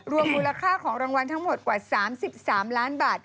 มูลค่าของรางวัลทั้งหมดกว่า๓๓ล้านบาท